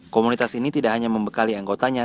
komunitas ini tidak hanya membekali anggotanya